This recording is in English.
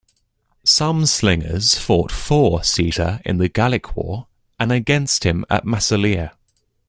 Some slingers fought for Caesar in the Gallic War, and against him at Massalia.